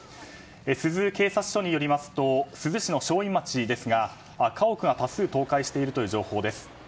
珠洲警察署によりますと珠洲市の正院町ですが家屋が多数倒壊しているという情報です。